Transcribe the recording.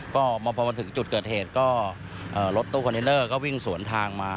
ก็พอมาถึงจุดเกิดเหตุก็รถตู้คอนเทนเนอร์ก็วิ่งสวนทางมา